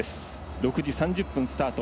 ６時３０分スタート。